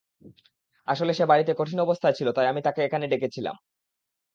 আসলে, সে বাড়িতে কঠিন অবস্থায় ছিল তাই আমি তাকে এখানে ডেকেছিলাম।